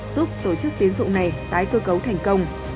giúp tổ chức tiến dụng này tái cơ cấu thành công